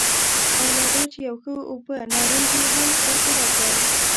او لا دا چې یو ښه اوبه نارنج یې هم راته راکړ.